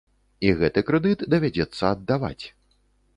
І гэты крэдыт давядзецца аддаваць.